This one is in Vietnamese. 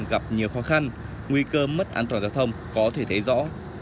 gặp nhiều khó khăn nguy cơ mất an toàn giao thông có thể thấy rõ